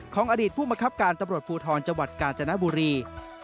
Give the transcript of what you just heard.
ของอดีตผู้มังคับการตำรวจภูทรจังหวัดกาญจนบุรี